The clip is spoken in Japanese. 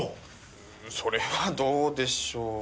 それはどうでしょう。